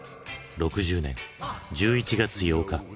６０年１１月８日。